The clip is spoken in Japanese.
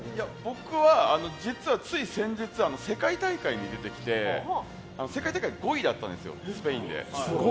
僕は、実はつい先日世界大会に出てきて世界大会５位だったんですスペインで。